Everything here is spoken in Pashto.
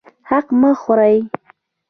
حق مه خورئ